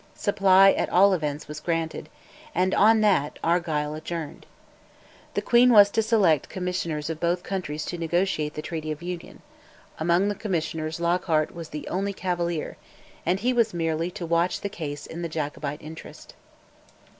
Supply, at all events, was granted, and on that Argyll adjourned. The queen was to select Commissioners of both countries to negotiate the Treaty of Union; among the Commissioners Lockhart was the only Cavalier, and he was merely to watch the case in the Jacobite interest.